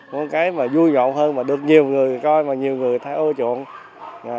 một cái mà vui ngọt hơn mà được nhiều người coi mà nhiều người thấy ưa chuộng